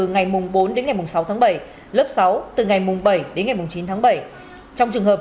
ngày mùng bốn đến ngày mùng sáu tháng bảy lớp sáu từ ngày mùng bảy đến ngày mùng chín tháng bảy trong trường hợp